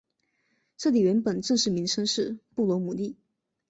这里原本正式名称是布罗姆利。